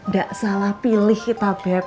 gak salah pilih kita beb